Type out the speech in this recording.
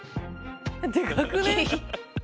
でかくね？